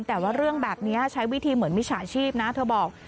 แต่ว่าเรื่องแบบนี้ใช้วิธีเหมือนมิจฉาชีพนะเธอบอก